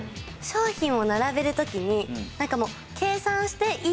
商品を並べる時になんかもう。